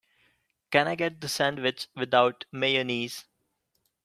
Can I get the sandwich without mayonnaise?